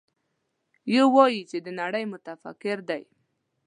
يو وايي چې د نړۍ متفکر دی.